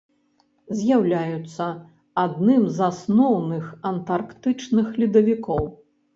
З'яўляецца адным з асноўных антарктычных ледавікоў.